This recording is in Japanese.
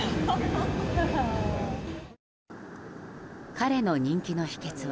彼の人気の秘訣は